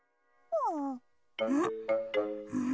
うん？